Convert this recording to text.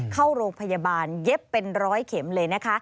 เข้าโรงพยาบาลเย็บเป็นร้อยเข็มเลยนะคะ